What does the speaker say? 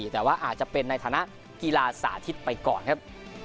แต่ว่าอาจจะเป็นในฐานะกีฬาสาธิตไปก่อนครับ